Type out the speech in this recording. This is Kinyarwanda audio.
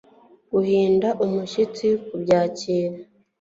guhinda umushyitsi kubyakira